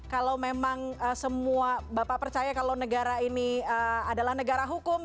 kalau memang semua bapak percaya kalau negara ini adalah negara hukum